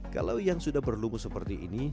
kalau yang sudah berlumu seperti ini